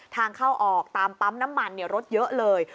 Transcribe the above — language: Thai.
ทางเข้าออกตามปั๊มน้ำมันรถเยอะเลย